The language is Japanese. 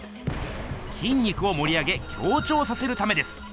きん肉をもり上げ強ちょうさせるためです。